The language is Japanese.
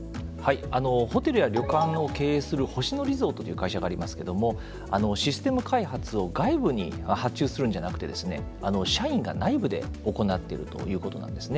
ホテルや旅館を経営する星野リゾートという会社がありますけれどもシステム開発を外部に発注するんじゃなくて社員が内部で行っているということなんですね。